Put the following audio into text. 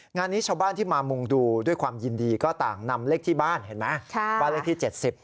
งานนี้ชาวบ้านที่มามุงดูด้วยความยินดีก็ต่างนำเลขที่บ้านเห็นไหมบ้านเลขที่๗๐